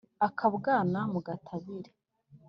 Akabwana mu gatabire.